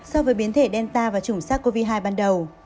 so với biến thể delta và chủng sars cov hai ban đầu